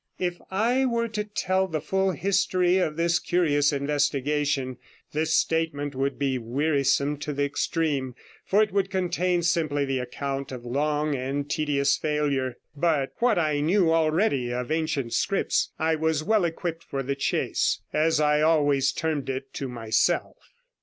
If I were to tell the full history of this curious investigation, this statement would be wearisome in the extreme, for it would contain simply the account of long and tedious failure. But what I knew already of ancient scripts I was well equipped for the chase, as I always termed it to myself.